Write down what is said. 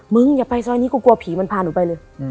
อย่าไปซอยนี้กูกลัวผีมันพาหนูไปเลย